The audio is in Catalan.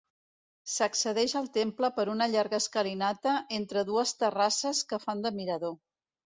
S'accedeix al temple per una llarga escalinata entre dues terrasses que fan de mirador.